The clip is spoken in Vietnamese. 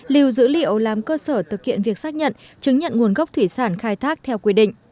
lưu dữ liệu làm cơ sở thực hiện việc xác nhận chứng nhận nguồn gốc thủy sản khai thác theo quy định